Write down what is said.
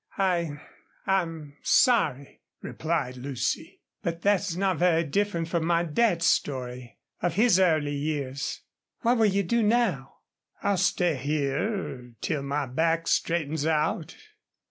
I I'm sorry," replied Lucy. "But that's not very different from my dad's story, of his early years.... What will you do now?" "I'll stay here till my back straightens out....